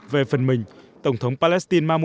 về phần mình tổng thống palestine mahmoud abbas